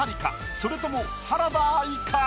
それとも原田愛か？